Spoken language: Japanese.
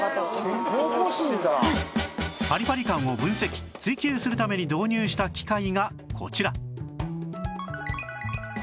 パリパリ感を分析追求するために導入した機械がこちら